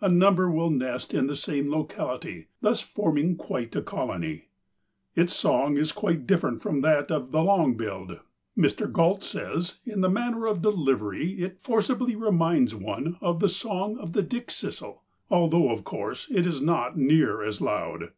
A number will nest in the same locality, thus forming quite a colony. Its song is quite different from that of the long billed. Mr. Gault says: "In the manner of delivery it forcibly reminds one of the song of the dickcissel, although, of course, it is not near as loud.